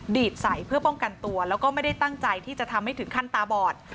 ดีดใส่เพื่อป้องกันตัวแล้วก็ไม่ได้ตั้งใจที่จะทำให้ถึงขั้นตาบอด